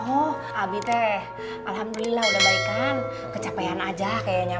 oh abite alhamdulillah udah baik kan kecapean aja kayaknya